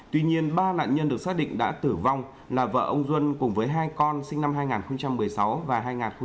tuy nhiên ba nạn nhân được xác định đã tử vong là vợ ông duân cùng với hai con sinh năm hai nghìn một mươi sáu và hai nghìn một mươi bảy